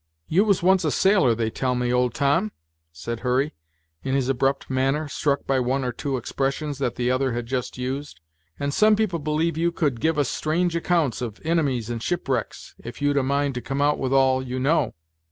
"You was once a sailor, they tell me, old Tom?" said Hurry, in his abrupt manner, struck by one or two expressions that the other had just used, "and some people believe you could give us strange accounts of inimies and shipwrecks, if you'd a mind to come out with all you know?"